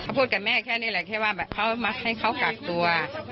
เขาพูดกับแม่แค่นี้แหละเขามาให้เขากักตัว